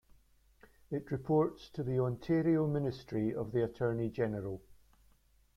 It reports to the Ontario Ministry of the Attorney General.